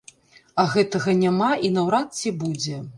А гэтага няма і наўрад ці будзе.